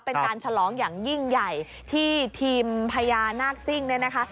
เป็นการฉลองอย่างยิ่งใหญ่ที่ทีมพญานาคซิ่งเนี่ยนะคะ